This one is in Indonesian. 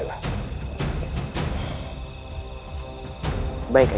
sudah k wasabi i garang k deck at